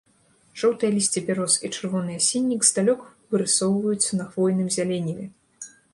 Жоўтае лісце бяроз і чырвоны асіннік здалёк вырысоўваецца на хвойным зяленіве.